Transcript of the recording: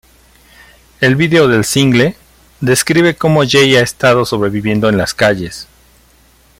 El vídeo del single describe como Jay ha estado sobreviviendo en las calles.